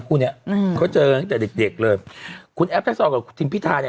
คู่เนี้ยอืมเขาเจอตั้งแต่เด็กเด็กเลยคุณแอฟทักซอลกับคุณทิมพิธาเนี่ย